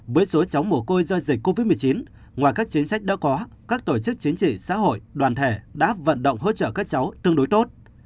với số cháu mồ côi do dịch covid một mươi chín ngoài các chính sách đã có các tổ chức chính trị xã hội đoàn thể đã vận động hỗ trợ các cháu tương đối tốt